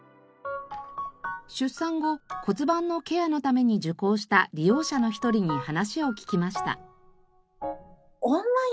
出産後骨盤のケアのために受講した利用者の１人に話を聞きました。